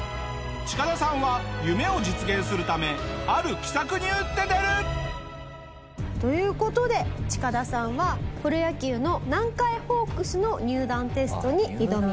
チカダさんは夢を実現するためある奇策に打って出る！という事でチカダさんはプロ野球の南海ホークスの入団テストに挑みます。